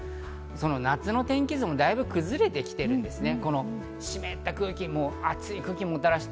夏の天気図もだいぶ崩れてきているんですね。